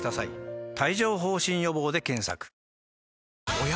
おや？